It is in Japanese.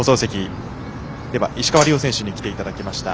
石川遼選手に来ていただきました。